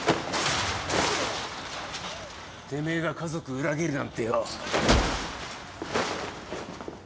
てめえが家族裏切るなんてよ。